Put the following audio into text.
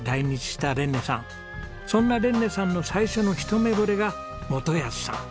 そんなレンネさんの最初の一目惚れが基保さん。